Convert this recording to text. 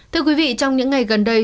thưa quý vị trong những ngày gần đây